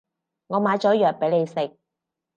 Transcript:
我買咗藥畀你食